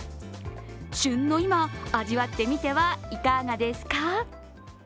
旬の今、味わってみてはいかがですか？